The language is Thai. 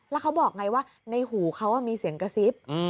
แล้วเขาบอกไงว่าในหูเขามีเสียงกระซิบ